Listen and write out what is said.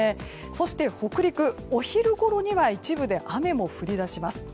そして北陸、お昼ごろには一部で雨も降り出します。